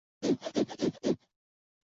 沧源近溪蟹为溪蟹科近溪蟹属的动物。